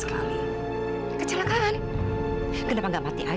karena aku menolong mita